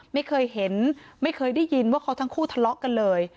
ไม่เคยเห็นไม่เคยได้ยินว่าเขาทั้งคู่ทะเลาะกันเลย